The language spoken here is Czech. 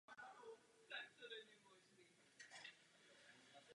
Unie musí hrát roli schopného vyjednávače a podnítit skutečný dialog.